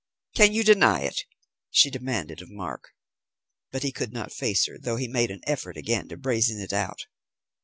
Can you deny it?" she demanded of Mark. But he could not face her, though he made an effort again to brazen it out.